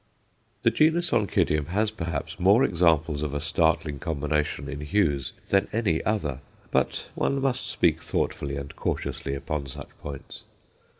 The genus Oncidium has, perhaps, more examples of a startling combination in hues than any other but one must speak thoughtfully and cautiously upon such points.